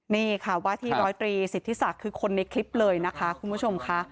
นี่ค่ะว่าที่ร้อยตรีสิทธิศักดิ์คือคนในคลิปเลยนะคะคุณผู้ชมค่ะ